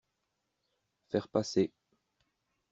Faire passer